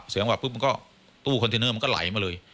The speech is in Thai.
หวัดปุ๊บมันก็ตู้คอนเทนเนอร์มันก็ไหลมาเลย